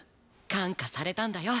感化されたんだよ